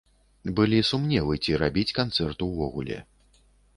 Былі сумневы, ці рабіць канцэрт увогуле.